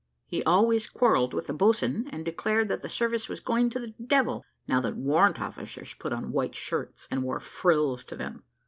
He always quarrelled with the boatswain, and declared that the service was going to the devil, now that warrant officers put on white shirts, and wore frills to them.